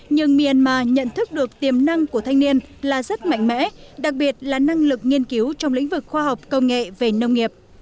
nhưng myanmar nhận thức được tiềm năng của thanh niên là rất mạnh mẽ đặc biệt là năng lực nghiên cứu trong lĩnh vực khoa học công nghệ về nông nghiệp